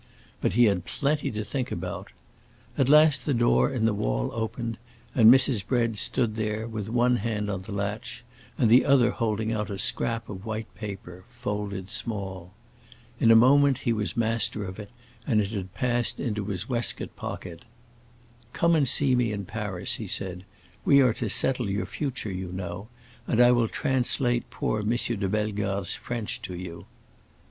But he had plenty to think about. At last the door in the wall opened and Mrs. Bread stood there, with one hand on the latch and the other holding out a scrap of white paper, folded small. In a moment he was master of it, and it had passed into his waistcoat pocket. "Come and see me in Paris," he said; "we are to settle your future, you know; and I will translate poor M. de Bellegarde's French to you."